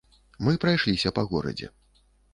Мы прайшліся па горадзе.